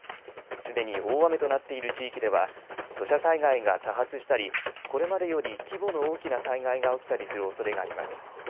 すでに大雨となっている地域では土砂災害が多発したりこれまでより規模の大きな災害が起きたりするおそれがあります。